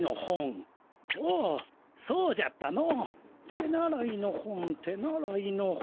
手習いの本手習いの本。